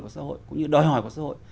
của xã hội cũng như đòi hỏi của xã hội